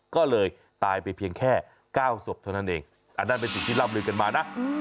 ก็เลยตายไปเพียงแค่๙ศพเท่านั้นเองอันนั้นเป็นสิ่งที่ร่ำลือกันมานะ